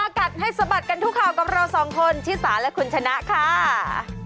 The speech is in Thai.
กัดให้สะบัดกันทุกข่าวกับเราสองคนชิสาและคุณชนะค่ะ